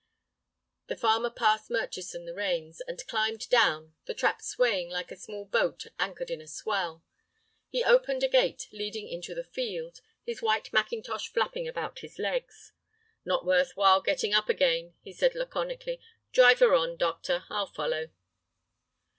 The farmer passed Murchison the reins, and climbed down, the trap swaying like a small boat anchored in a swell. He opened a gate leading into the field, his white mackintosh flapping about his legs. "Not worth while getting up again," he said, laconically. "Drive her on, doctor, I'll follow."